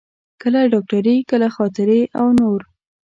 کله ډاکټري، کله خاطرې او نور.